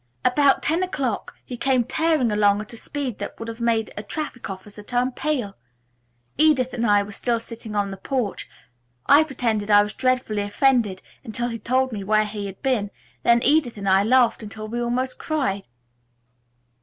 About ten o'clock he came tearing along at a speed that would have made a traffic officer turn pale. Edith and I were still sitting on the porch. I pretended I was dreadfully offended until he told me where he had been, then Edith and I laughed until we almost cried."